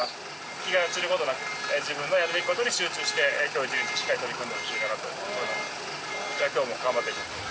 気が散ることなく、自分のやるべきことに集中して、きょう一日、しっかり取り組んでほしいと思います。